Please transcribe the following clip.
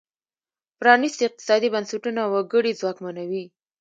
پرانیستي اقتصادي بنسټونه وګړي ځواکمنوي.